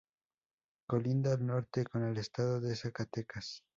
Colinda al norte con el Estado de Zacatecas.